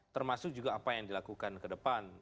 termasuk juga apa yang dilakukan ke depan